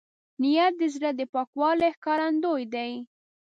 نیت د زړه د پاکوالي ښکارندوی دی.